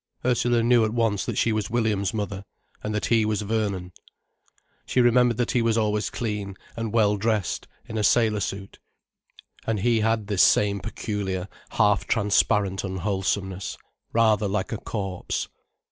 Ursula knew at once that she was Williams' mother, and that he was Vernon. She remembered that he was always clean, and well dressed, in a sailor suit. And he had this same peculiar, half transparent unwholesomeness, rather like a corpse.